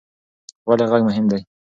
ولې غږ مهم دی؟